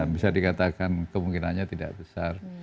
bisa dikatakan kemungkinannya tidak besar